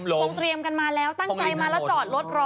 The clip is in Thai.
ต้องเตรียมกันมาแล้วตั้งใจมาจอดรถรอ